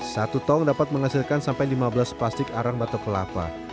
satu tong dapat menghasilkan sampai lima belas plastik arang batok kelapa